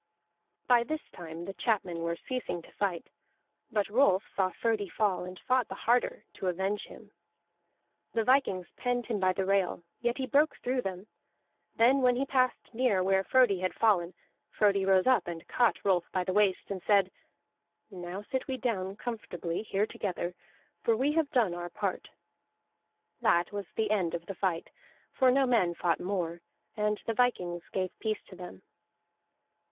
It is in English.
By this time the chapmen were ceasing to fight; but Rolf saw Frodi fall, and fought the harder, to avenge him. The vikings penned him by the rail, yet he broke through them; then when he passed near where Frodi had fallen, Frodi rose up and caught Rolf by the waist, and said: "Now sit we down comfortably here together, for we have done our part." That was the end of the fight, for no men fought more, and the vikings gave peace to them.